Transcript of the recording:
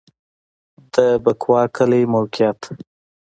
د بکوا کلی موقعیت